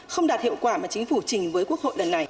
không đạt hiệu quả mà chính phủ chỉnh với quốc hội